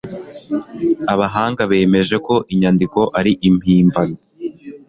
Abahanga bemeje ko inyandiko ari impimbano.